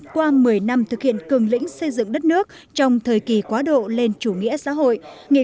qua một mươi năm thực hiện cường lĩnh xây dựng đất nước trong thời kỳ quá độ lên chủ nghĩa xã hội nghị